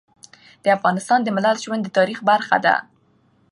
د افغانستان د ملت ژوند د تاریخ برخه ده.